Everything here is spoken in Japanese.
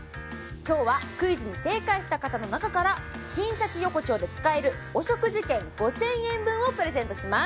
今日はクイズに正解した方の中から金シャチ横丁で使えるお食事券５０００円分をプレゼントします